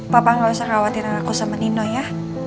papa gak usah khawatirin aku sama nino ya